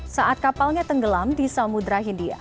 saat kapalnya tenggelam di samudera hindia